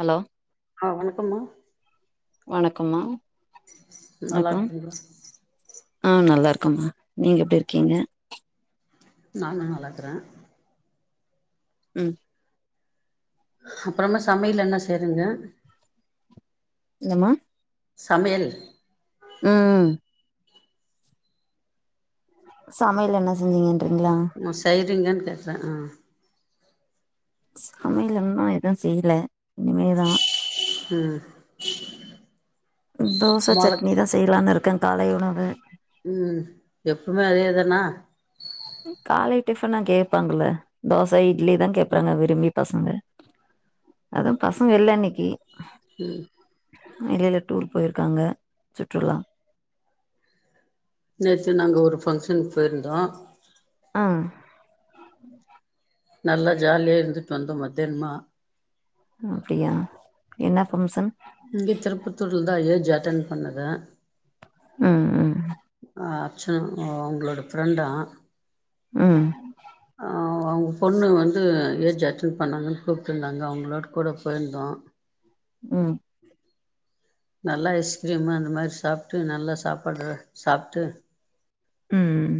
Hello ஆ வணக்கம்மா வணக்கம்மா நல்லா வணக்கம் இருக்கீங்களா ஆ நல்லாருக்கோம்மா நீங்க எப்டி இருக்கீங்க? நாங்களு நல்லாக்குறே ம் அப்றமா சமயல் என்னா செய்றிங்க என்ன மா சமயல் ம் சமயல் என்ன செஞ்சீங்கன்றீங்ளா மா செய்றீங்ளான்னு கேக்குறே ஆ சமயல் இன்னு எது செய்ல இனிமேதா ம் தோச மொள சட்னி தா செய்லானுருக்கே காலை உணவு ம் எப்பமே அதே தானா காலை டிஃபன்ன கேப்பாங்கல்ல தோச, இட்லி தா கேப்றாங்க விரும்பி பசங்க அது பசங்க இல்ல இன்னிக்கி ம் எடைல டூர் போய்ருக்காங்க சுற்றுலா நேத்து நாங்க ஒரு ஃபங்க்ஷனுக் போய்ருந்தோ ஆ நல்லா ஜாலியா இர்ந்துட் வந்தோ மத்யான்மா அப்டியா என்ன ஃபம்ஷன் இங்க திருப்பத்தூர்லதா ஏஜ் அட்டன் பண்ணது ம் ம் ஆ ஆக்சுல் அ அவுங்களோட ஃப்ரெண்டா ம் ஆ ஒ அவுங்க பொண்ணு வந்து ஏஜ் அட்டன் பண்ணாங்கன் கூப்ட்ருந்தாங்க அவுங்களோட கூட போயிர்ந்தோ ம் நல்லா ஐஸ்கிரீமு அந்த மாரி சாப்ட்டு நல்லா சாப்பாடெல்லா சாப்ட்டு ம்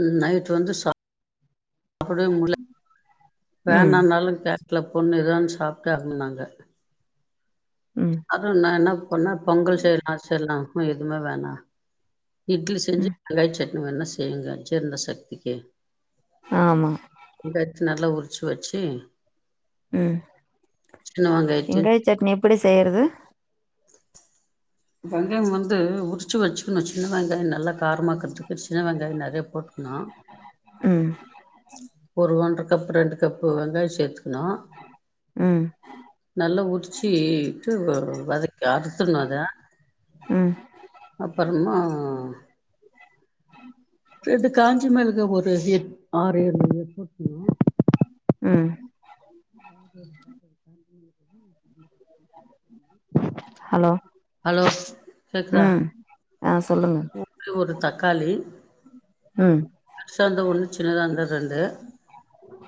ம் நைட் வந்து சாப்படவே முல்ல ம் வேண்டானாலு கே க்ல பொண்ணு தா சாப்ட்டே ஆகனுன்னாங்க ம் அதுவு நா என்னா பண்ணே பொங்கல் சேர் அரச்சர்லா வேற எதுமே வேணா இட்லி செஞ்சு ம் வெங்காய சட்னி வேணா செய்யிங்க சேர் இந்த சட்னிக்கு ஆமா வெங்காயத்த நல்லா உரிச் வச்சி ம் சின்ன வெங்காயத்தையு வெங்காய சட்னி எப்டி செய்யறது வெங்காய்ம் வந்து உரிச்சு வச்சுக்கனு சின்ன வெங்காயோ நல்லா காரமாக்கற்துக்கு சின்ன வெங்காயோ நெறையா போட்டுக்கணு ம் ஒரு ஒன்ற கப் ரெண்டு கப்பு வெங்காயோ சேத்துக்கணு ம் நல்லா உரிச்சீட்டு வ வதக்கி அருசர்ணு அத ம் அப்பறமா ரெண்டு காஞ்ச மெளகா ஒரு எட் ஆறேழு எட்த் வச்சிக்ணு ம் [inaudible] ஹலோ ஹலோ கேக்குதா ம் ஆ சொல்லுங் ஒரே ஒரு தக்காளி ம் பெருசா இர்ந்தா ஒன்னு சின்னதா இர்ந்தா ரெண்டு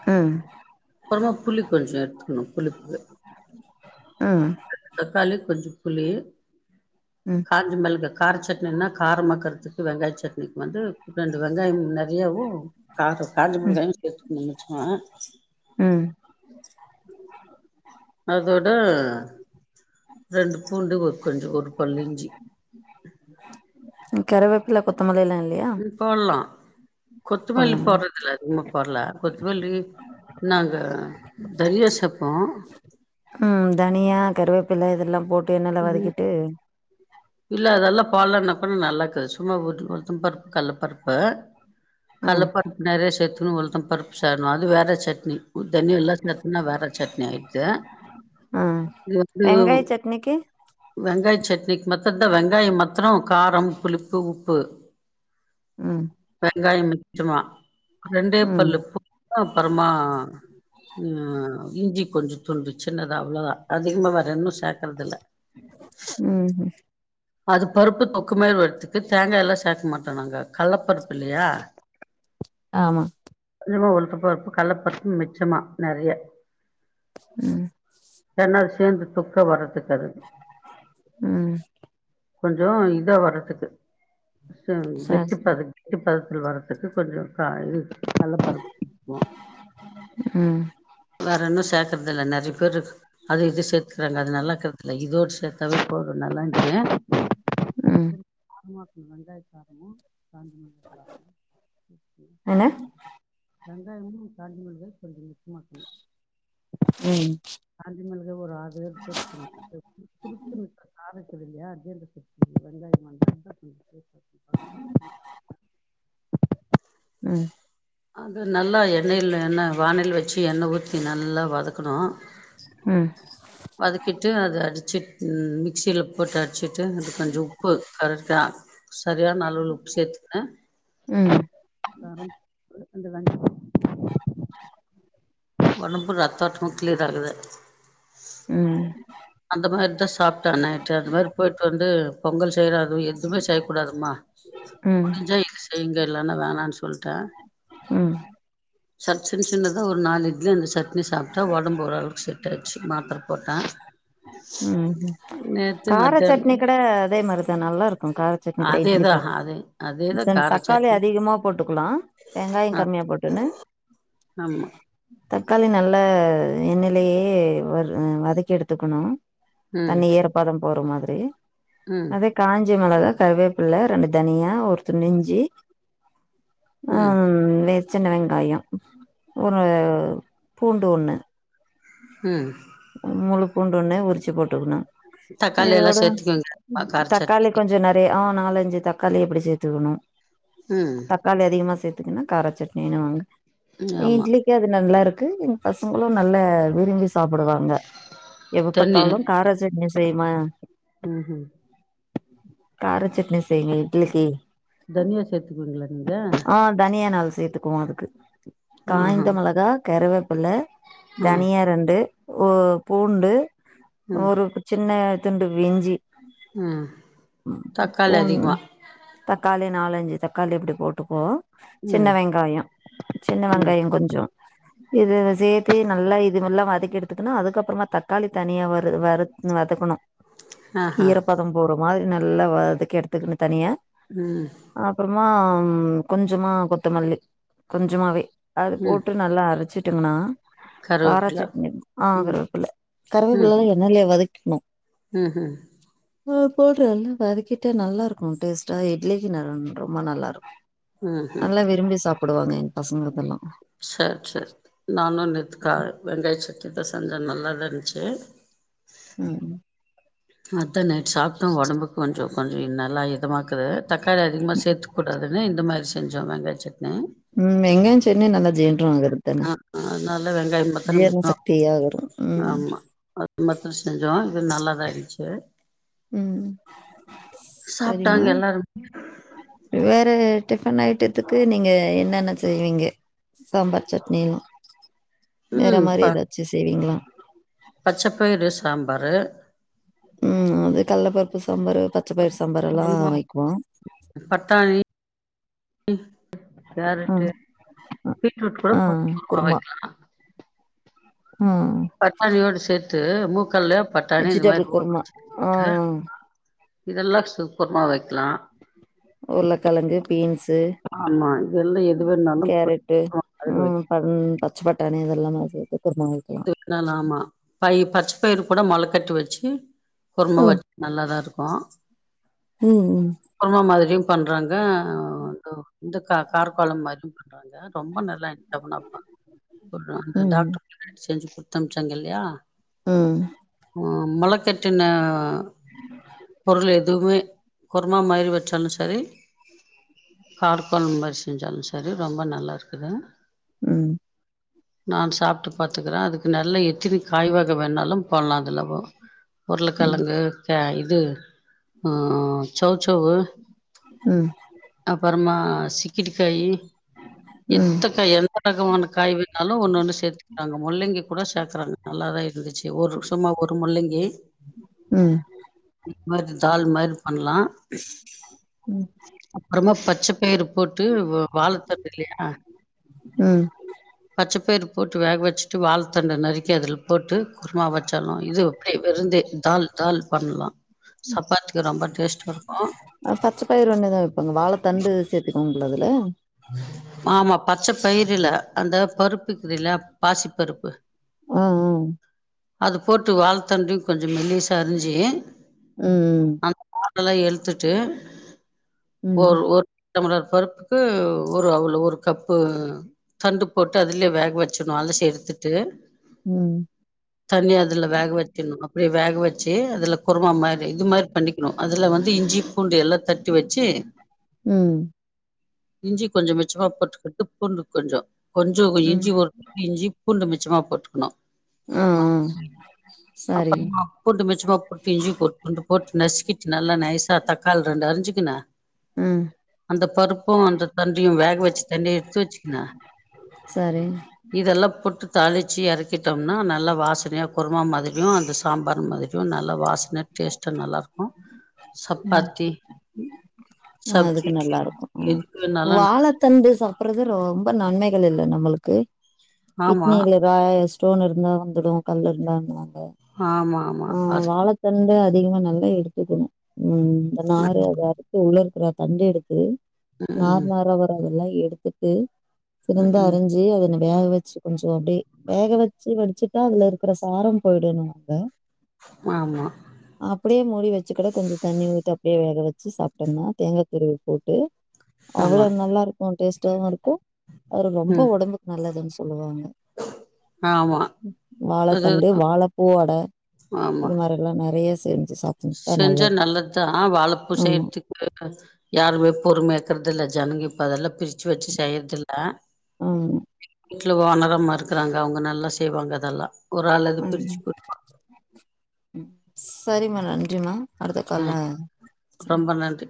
ம் அப்பறமா புளி கொஞ்சோ எட்த்துக்கணு புளிப்பு ம் ரெண்டு தக்காளி கொஞ்ச புளி ம் காஞ்ச மிளகா கார சட்னின்னா கார மாக்கறதுக்கு வெங்காய சட் னிக்கு வந்து ரெண்டு வெங்காயம் நிறையாவும் கார காஞ்ச மிளகாயும் சேத்துக்கணு மிச்சமா ம் அதோட ரெண்டு பூண்டு ஒரு கொஞ்சோ ஒரு பல்லு இஞ்சி கெரவேப்பில்ல கொத்தமல்லி எல்லா இல் ம் போட்லா கொத்துமல்லி சொல்லுங்க போட்றதுல்ல உமக் குர்ல கொத்தமல்லி நாங்க தனியா சேப்போ ம் தனியா கருவேப்பில இதெல்லாம் போட்டு எண்ணெல்ல வதக்கிட்டு இல்ல அதெல்லா பாலான்ன அப்பறம் நல்லா இக்காது சும்மா ஒரு உளுத்தம் பருப்பு கல்லப்பருப்பு ம் கல்லப் பருப்பு நெறையா சேத்தணு உளுத்தம் பருப்பு சேர்ணும் அது வேற சட்னி தனியா எல்லா என்னா வேற சட்னி ஆய்ட்து இது வந்து இன்னக்கி வெங்காய சட்னிக்கு மத்ரந்தா வெங்காயம் மத்ரோ காரம் புளிப்பு உப்பு ம் வெங்காயம் மிச்சமா ரெண்டே ம் பல்லு பூண்டு அப்றமா ஆ இஞ்சி கொஞ்சோ துண்டு சின்னதா அவ்ளோதா அதிகமா வேற ஒண்ணும் சேக் கறதில்ல ம் ம் அது பருப்பு தொக்கு மாறி வரத்துக்கு தேங்காயெல்லா சேக்க மாட்டோ நாங்க கல்லப்பருப்பு இல்லயா ஆமா கொஞ்சமா ஒரு கப்பு அரப்பு கல்லப்பருப்பு மிச்சமா நறைய ம் எல்லா சேந்து தொக்கா வரதுக்கு அது ம் கொஞ்சோ இதா வரதுக்கு சேம் சரி சரி கெட்டிப்பத ட்டிபதத்துல வரதுக்கு கொஞ்சோ கா இது கல்லப்பருப்பு ம் அ வேற ஒன்னும் சேக்கறதில்ல நெறைய பேரு அது இது சேத்துக்கறாங்க அது நல்லா இருக்கறதில்ல இதோடு சேத்தாவே போதும் நல்லான்ச்சி ம் வெங்காய காரமு காஞ்ச மிளகா காரமு டேஸ்ட்டு என்ன வெங்காயமு காஞ்ச மிளகாயு கொஞ்சோ மிச்சமா இருக்கணு ம் காஞ்ச மிளகா ஒரு ஆறு ஏழு போட்டுக்கணு வச்சா சுருக்குன்னு காரோ அப்படி இல்லையா அர்ஜெண்டுக்கு வெங்காயமா இருந்தா இன்னு சூப்பர் ம் அது நல்லா எண்ணெயில எண்ணெய் வானல் வச்சு எண்ணெய் ஊத்தி நல்லா வதக்கணு ம் வதக்கிட்டு அத அடிச்சு மிக்ஸில போட்டு அடிச்சிட்டு அதுக்கொஞ்சோ உப்பு கரெக்ட்டா சரியான அளவுல உப்பு சேத்துக்குன்னு ம் கரம் மசாலா தூளு அந்த வெங்காயம் உடம்பு ரத்தோட்டமு கிளீயர் ஆகுது ம் அந்த மாறிதா சாப்ட்டே நைட்டு அந்த மாறி போயிட்டு வந்து பொங்கல் சேராதோ எது எதுமே செய்ய கூடாதுமா ம் முடிஞ்சா இது செய்ங்க இல்லன்னா வேணானு சொல்ட்டே ம் சட் சின் சின்னதா ஒரு நாலு இட்லி அந்த சட்னி சாப்ட்டா ஒடம்பு ஓரளவுக்கு செட் டாச்சு மாத்ர போட்டே ம் நேத்து கார சட்னி மத்தியானோ கூட அதே மாரிதா நல்லாருக்கு கார சட்னி கடயல் எத அது அது ரெண்ட் தக்காளி அதிகமாக போட்டுக்குலா வெங்காயோ ஆ கம்மியா போட்டுன்னு ஆமா தக்காளி நல்ல எண்ணெய்லியே வறு வதக்கி எடுத்துக்கணு ம் தண்ணி ஈரப்பதோ போற மாதிரி ம் அதே காஞ்ச மிளகா கருவேப்பில்ல ரெண்டு தனியா ஒரு துண்டு இஞ்சி ம் அம் வேர் சின்ன வெங்காயோ ஒரு பூண்டு ஒன்னு ம் முழு பூண்டு ஒன்னு உரிச்சு போட்டுக்குணு தக்காளி எல்லா இதோட சேத்துக்குவீங்க கார தக்காளி சட்னிக்கு கொஞ்சோ நெ வே ஆ நாலஞ்சு தக்காளி அப்டி சேத்துக்கணு ம் தக்காளி அதிகமா சேத்துக்குனா காரா சட்னிவாங்கு ஆமா இ்ட்லி அது நல்லாருக்கு எங்க பசங்ளு நல்லா விரும்பி ப்டுவாங்க எப்ப தண்ணி பாத்தாலு காரசட்னி செய்மா ம் ம் கார சட்னி செய்ங்க இட்லிக்கு தனியா சேத்துக்குவிங்ளா நீங்க ஆ தனியா நாளு சேத்துக்குவோ அதுக்கு ஆஹா காய்ந்த மிளகா கருவேப்பில்ல ஆ தனியா ரெண்டு ஒ பூண்டு ம் ஒரு சின்ன துண்டு விஞ்சி ம் ம் பூ தக்காளி அதிகமா தக்காளி நாலஞ்சு தக்காளி அப்டி போட்டுக்குவோ சின்ன ம் வெங்காயோ சின்ன ம் வெங்காயோ கொஞ்சோ இத சேத்தி நல்லா இ துவெல்லா வதக்கி எடுத்துக்கனு அதுக்க அப்றமா தக்காளி தனியா வ வறு வதக்கணு ஆஹா ஈரப்பதோ போற மாரி நல்லா வதக்கி எடுத்துக்கணு தனியா ம் அப்றமா கொஞ்சமா கொத்தமல்லி கொஞ்சமாவே அது ம் போட்டு நல்லா அரைச்சிட்டோங்னா கருவேப்பில காராச்சட்னி ஆ ம் கருவேப்பில்ல கருவேப்பிலல்லா எண்ணைலியே வதக்கிக்ணு ம் ம் போட்றல்லா வதக்கிட்டா நல்லாருக்கு டேஸ்ட்டா இட்லிக்கு ந ரொம்ப நல்லாருக்கு ம்ஹும் நல்லா விரும்பி சாப்புடுவாங்க எங்க பசங்க இதெல்லா சேர் சேர் நானு நேத்துக்கா வெங்காய சட்டினி தா செஞ்சே நல்லா தா இருஞ்ச்சு ம் அதா நைட் சாப்ட்டோ ஒடம்புக்கு கொஞ்சோ கொஞ்சோ நல்லா இதமா இருக்கு தக்காளி அதிகமா சேத்துக் கூடாதுன்னு இந்த மாதிரி செஞ்சோ வெங்காய சட்னி ம் வெங்காயசட்னி நல்லா ஜீரணோ ஆ ஆக்ரதுதான அதனால வெங்காயம் மத்தன ஜீர்ண மிச்சோ சக்தியாகறு ம் மர்ஷோ செஞ்சோ இது நல்லாதா இருன்ச்சு ம் ம் சாப்ட்டாங்க எல்லாரு வேற டிஃபன் ஐட்டத்துக்கு நீங்க என்னென்ன செய்வீங்க சாம்பார் சட் னி வேற ம் மாரி ப ஏதாச்சு செய்வீங்களா பச்சப்பயிறு சாம்பாரு ம் அதே கள்ளப்பருப்பு சாம்பாரு பச்சப்பயிர் சாம்பாரெல்லா அப்றமா வைக்குவோ பட்டாணி ம் கேரட்டு ம் பீட்ரூட் கூட ஆ போட்டு [inaudible] குருமா வைக்கலா ம் பட்டாணியோட சேர்த்து நூக்கனுல்லு பட்டாணி இந்த மாரி வெஜிடபிள் கூட குருமா ஆ போட்டு [inaudible] இதெல்லா சூப்பர்மா வெக்கலா உருளைக்கெழங்கு பீன்ஸு ஆமா இதெல்லா எது வேணாலும் கேரட்டு‌ பொரிச்சு அதுல வைக்க ம் ம் பச்ச பட்டாணி இதெல்லாமே நா சேத்து குருமா வைக்க ஆன் ஆமா பயிர் பச்ச பயிரு கூட மொழ கட்டி வெச்சு குரும வ ம் நல்லாதா இருக்கு ம் ம் குர்மா மாதிரியு பண்றாங்க அ கொ இந்த க கார் கொழம் மாரியு பண்றாங்க ரொம்ப நல்லா இன் [inaudible] பொண்ணு வப்பா பொண்ணு வந்து ம் டாக்ட்ரு செஞ்சு குடுத்தமிச்சாங்க இல்லயா ம் ஆ மொலக்கட்டுன பொருள் எதுவுமே குரமா மாரி வெச்சாலு சரி கார்கோல் மாரி செஞ்சாலு சரி ரொம்ப நல்லா இருக்குது ம் நான் சாப்ட்டு பாத்துக்குறே அதுக்கு நெல்ல எத்தினி காய்வாக வேணாலு பண்லா அதுல வு ம் உருளைக்கெழங்கு சா இது ம் சோச்சோவு ம் அப்பறமா சிக்கிட்டுக்காயி ம் ம் எப்கத்த எல் கா க வேற காய் வேனாலு ஒன்னு ஒன்னு சேத்து அங்க முள்ளங்கி கூட சேக்குறாங்க நல்லாதா இருந்துச்சு ஒரு வருஷமா ஒரு முள்ளங்கி ம் இந் தால் மாரி பண்லா ம் அப்புறமா பச்ச பயுறு போட்டு வு வாழ தண்டுல்லயா அ ம் பச்சபயிறு போட் டு வேக வெச்சுட்டு வாழத்தண்ட நறுக்கி அதுல போட்டு குருமா வைச்ச்ட்லா இது ஓகே வெறு இந்த இந்த தால் தால் பண்லா ம் பச்ச பயிறு ஒன்னுதா இப்ப இங்க வாழ தண்டு சேத் புடிக்கோங்குலா அதுல ஆமா பச்ச பயிறுல அந்த பருப்பு இருகுதுல பாசி பருப்பு ம் அது போட்டு வாழ் தண்டையு கொஞ்சொ மெல்லீசா அரிஞ்சி ம் அதுலா எடுத்துட்டு ம் ஒரு ஒரு டம்ளர் பருப்புக்கு ஒரு அவுளு ஒரு கப்பு தண்டு போட்டு அதுலே வேக வெச்சணு அலசி எடுத்துட்டு ம் தனியா அதுல வேக வெக்கணு அப்டியே வேக வெச்சு அதுல குருமா மாரி இது மாரி பண்ணிக் கிணு அதுல வந்து இஞ்சி பூண்டு எல்லா தட்டி வெச்சி ம் இஞ்சி கொஞ்சோ மிச்சமா போட்டுகிட்டு பூண்டு கொஞ்சோ கொஞ்சோ ம் இஞ்சி ஒரு இஞ்சி பூண்டு மிச்சமா போட்டுக்கணு [inaudible] ஆ ஆ சரி அப்பறமா பூண்டு மிச்சமாப்போட்டு இஞ்சி போட் கொஞ் போட்டு நசுக்கிட்டு நல்லா நைசா தக்காள் ரெண்டு அரிஞ்சுக்கினு ம் அந்த பருப்பு அந்த தண்டியு வேக வெச்சு தண்ணிய எடுத்து வெச்சுக்குனு சரி இதெல்லா போட்டு தாளிச்சு எறக்கிட்டோம்னா நல்லா வாசனியா குருமா மாதிரியு அந்த சாம்பார் மாதிரி யு நல்லா வாசன டேஸ்ட்டா நல்லாருக்கு சப்பாத்தி சப்ஜி அதுக்கு இட்லி நல்லா இருக்கு ம் எதுக்கு வேணாலு நல்லது வாழத்தண்டு சாப்புற்றது ரொம்ப நன்மைகள் இல்ல நம்மளுக்கு ஆமா கிட்னில வா ஸ்டோன் இருந்தா வந்துடு கல் இருந்தா வந்துட்வாங்க ஆமா ஆமா அது தண்ட அதிகமா நல்லா எடுத்துக்கணு ம் இந்த நாறு அத அறுத்து உலர் அப்புற தண்ட எடுத்து நார் ம் நாரா வரதெலா எடுத்துட்டு ம் சிறுந்தா ம் அரிஞ்சு அத ந வேக வெச்சு கொஞ்சு அப்டே வேக வெச்சு வடிச்சுட்டா அதுல இருக்கிற சாரம் போய்டுணுவாங்க ஆமா அப்படியே மூடி வெச்சுக்கூட கொஞ்ச தண்ணி ஊத்தி அப்டே வேக வெச்சு சாப்ட்டோம்னா தேங்கா துருவி போட்டு அவ்வளோ ஆமா நல்லாருக்கு டேஸ்டாவு இருக்கு அது ரொம்ப ம் ஒடம்புக்கு நல்லதுன் சொல்லுவாங்க ஆமா வாழத்தண்டு அதுதா வாழப்பூவட ஆமா இது மாரி எல்லா நெறய செஞ்சு சாப் செஞ்சா நல்லத்தா வாழப்பூ ஆமா சேர்த்து யாருமே பொறுமெயாக்குறதுல்ல ஜனங்க இப்ப அதெல்லா பிரிச்சு வெச்சு செய்யறதில்ல ம் வீட்ல வாணரமா இருக்கறாங்க அவுங்க நல்லா செய்வாங்க அதெல்லா ஒரு அளகு பிரிச்சு கு சரிமா நன்றிமா அடுத்த ம் கால்ல ரொம்ப நன்றி